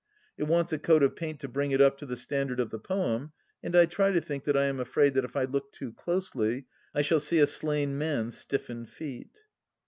It wants a coat of paint to bring it up to the standard of the poem, and I try to think that I am afraid that if I look too closely I shall see " a slain man's stiffened feet.